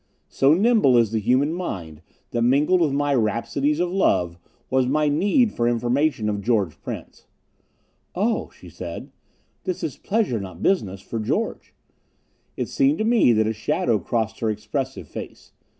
So nimble is the human mind that mingled with my rhapsodies of love was my need for information of George Prince.... "Oh," she said, "this is pleasure, not business, for George." It seemed to me that a shadow crossed her expressive face.